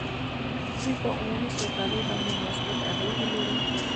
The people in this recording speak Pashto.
دوی په عمومي سوکالۍ باندې مثبت اغېز لري